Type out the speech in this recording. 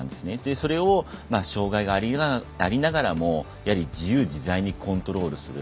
それを障がいがありながらもやはり自由自在にコントロールする。